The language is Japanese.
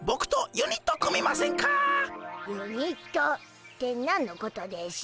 ユニット？って何のことでしゅ？